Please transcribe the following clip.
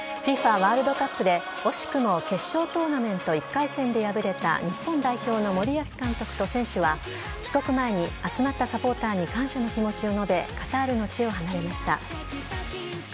ワールドカップで惜しくも決勝トーナメント１回戦で敗れた日本代表の森保監督と選手は帰国前に集まったサポーターに感謝の気持ちを述べカタールの地を離れました。